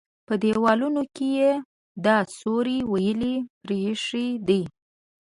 _په دېوالونو کې يې دا سوري ولې پرېښي دي؟